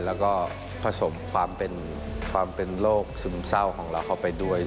แล้วก็ผสมความเป็นโรคซึมเศร้าของเราเข้าไปด้วย